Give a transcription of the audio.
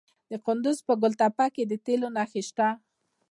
د کندز په ګل تپه کې د تیلو نښې شته.